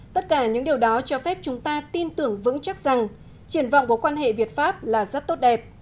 tất cả những điều đó cho phép chúng ta tin tưởng vững chắc rằng triển vọng của quan hệ việt pháp là rất tốt đẹp